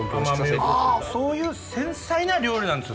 そういう繊細な料理なんです